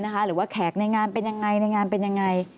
หรือว่าแขกในงานเป็นอย่างไร